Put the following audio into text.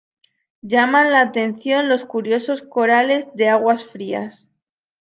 Llaman la atención los curiosos corales de aguas frías.